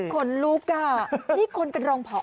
คนรู้กล้านี่คนกระดองผอหรอคะ